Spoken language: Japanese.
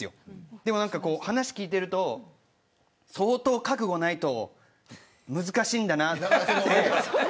でも話を聞いてると相当覚悟がないと難しいんだなと思うので。